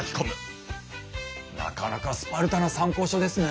なかなかスパルタな参考書ですね。